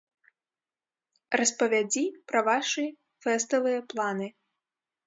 Распавядзі пра вашы фэставыя планы.